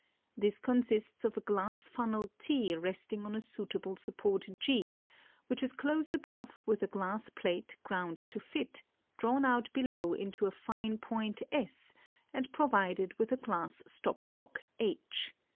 This consists of a glass funnel T resting on a suitable support G, which is closed above with a glass plate ground to fit, drawn out below into a fine point S, and provided with a glass stop cock H.